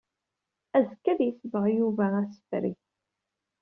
Azekka ad yesbeɣ Yuba asefreg.